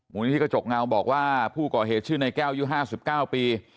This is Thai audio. นิธิกระจกเงาบอกว่าผู้ก่อเหตุชื่อในแก้วอายุ๕๙ปี